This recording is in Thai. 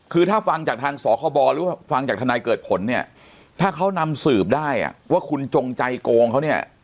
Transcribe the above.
คือถ้าฟังจากทางสคบหรือว่าฟังจากทนายเกิดผลเนี่ยถ้าเขานำสืบได้ว่าคุณจงใจโกงเขาเนี่ย